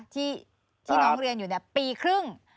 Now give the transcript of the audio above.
ที่น้องเรียนอยู่ปีครึ่ง